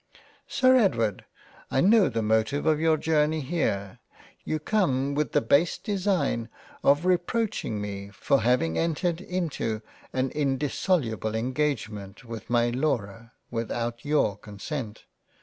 II Sir Edward, I know the motive of your Journey here — You come with the base Design of reproaching me for 14 J LOVE AND FREINDSHIP £ having entered into an indissoluble engagement with my Laura without your Consent.